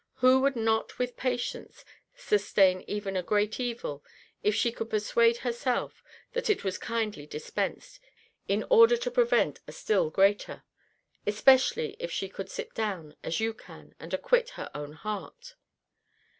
Who would not with patience sustain even a great evil, if she could persuade herself that it was kindly dispensed, in order to prevent a still greater? Especially, if she could sit down, as you can, and acquit her own heart?